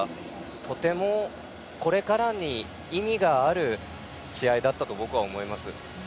とてもこれからに意味がある試合だったと僕は思います。